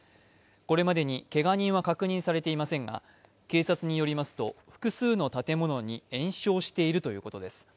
これまでにけが人は確認されていませんが警察によりますと、複数の建物に延焼しているということです。